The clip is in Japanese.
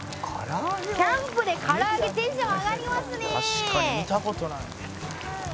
キャンプで唐揚げテンション上がりますね！